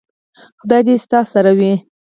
خدای دې ستا سره وي .